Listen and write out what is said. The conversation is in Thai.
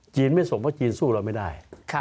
จีนไม่สมว่าจีนสู้เราไม่ได้